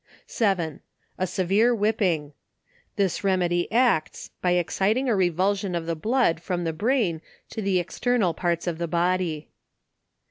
7. A severe whipping. This remedy acts by exciting a revulsion of the blood from the brain, to the external parts of the body.